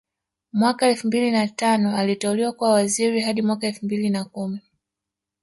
Mwaka elfu mbili na tano aliteuliwa kuwa waziri hadi mwaka elfu mbili na kumi